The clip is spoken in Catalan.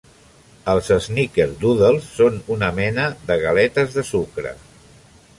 Els snickerdoodles són una mena de "galetes de sucre".